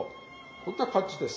こんな感じです。